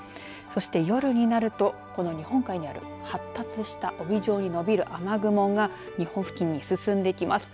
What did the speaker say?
そして夜になるとこの日本海にある発達した帯状に延びる雨雲が日本付近に進んできます。